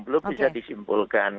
belum bisa disimpulkan